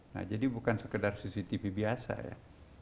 nah jadi bukan sekedar cctv biasa ya